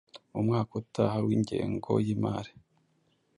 mu mwaka utaha w’ingengo y’imari